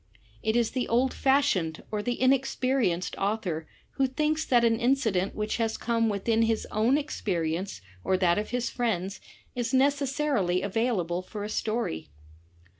It is the old fashioned or the inexperienced author who thinks that an incident which has come within his own ex perience or that of his friends, is necessarily available for a story.